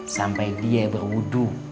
sampai dia berwudhu